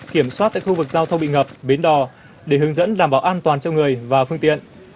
kiểm soát tại khu vực giao thông bị ngập bến đò để hướng dẫn đảm bảo an toàn cho người và phương tiện